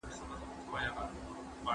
تاسو به د خپلي کورنۍ د غړو ملاتړ کوئ.